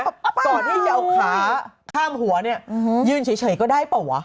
ก่อนที่เยาขาข้ามหัวยืนเฉยก็ได้เปล่าวะ